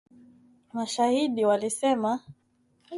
mashahidi walisema